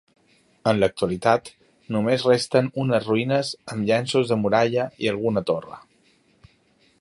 En l'actualitat només resten unes ruïnes amb llenços de muralla i alguna torre.